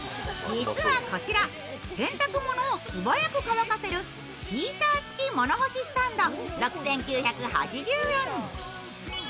実はこちら、洗濯物を素早く乾かせるヒーター付物干しスタンド。